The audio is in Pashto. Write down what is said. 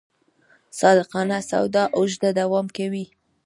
صادقانه سودا اوږده دوام کوي.